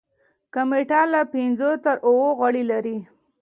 کمیټه له پنځو تر اوو غړي لري.